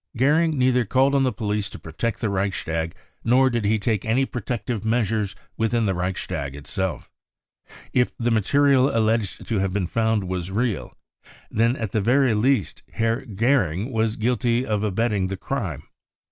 Goering neither called on the police to protect the Reichstag, nor did he take any protective measures within the Reichstag itself. If the material alleged to have been found was real, then at the very least Herr Goering is guilty of abetting the crime.